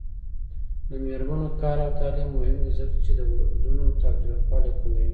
د میرمنو کار او تعلیم مهم دی ځکه چې ودونو تاوتریخوالي کموي.